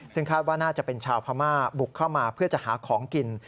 ซึ่งคาดว่าน่าจะเป็นชาวพม่าบุกเข้ามาเพื่อจะหาของกิน